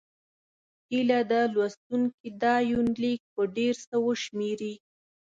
هيله ده لوستونکي دا یونلیک په ډېر څه وشمېري.